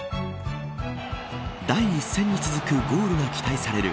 第１戦に続くゴールが期待される